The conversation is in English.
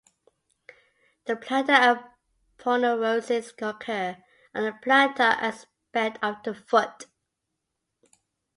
The plantar aponeuroses occur on the plantar aspect of the foot.